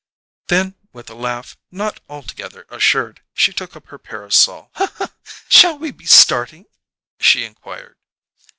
_" Then with a laugh not altogether assured, she took up her parasol. "Shall we be starting?" she inquired.